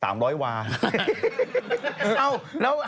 เอ้าแล้วหายไปเหนือ๕๐เวอร์แล้ว